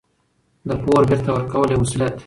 د پور بېرته ورکول یو مسوولیت دی.